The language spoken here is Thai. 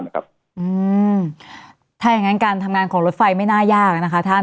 ถ้าอย่างนั้นการทำงานของรถไฟไม่น่ายากนะคะท่าน